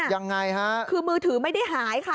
ยังไงฮะคือมือถือไม่ได้หายค่ะ